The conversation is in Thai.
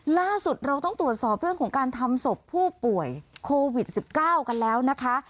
ล่าสุดเราต้องตรวจสอบเรื่องของการทำศพผู้ป่วยโควิด๑๙กันแล้วนะคะ